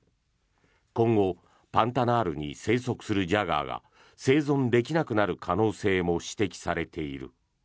今後、パンタナールに生息するジャガーが生存できなくなる可能性も指摘されている。